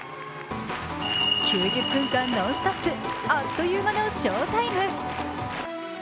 ９０分間ノンストップ、あっという間のショータイム。